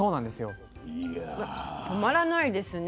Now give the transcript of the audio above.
止まらないですね。